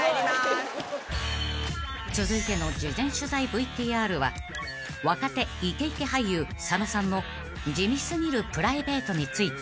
［続いての事前取材ＶＴＲは若手イケイケ俳優佐野さんの地味過ぎるプライベートについて］